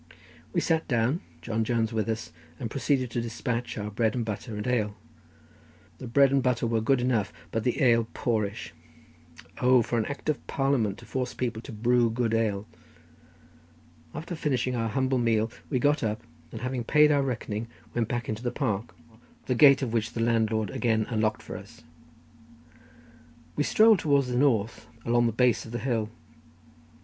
We sat down, John Jones with us, and proceeded to despatch our bread and butter and ale. The bread and butter were good enough, but the ale poorish. O, for an Act of Parliament to force people to brew good ale! After finishing our humble meal we got up, and having paid our reckoning, went back into the park, the gate of which the landlord again unlocked for us. We strolled towards the north along the base of the hill.